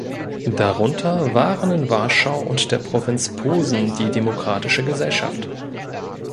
Darunter waren in Warschau und der Provinz Posen die „Demokratische Gesellschaft“.